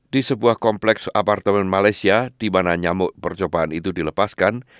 di sebuah kompleks apartemen malaysia di mana nyamuk percobaan itu dilepaskan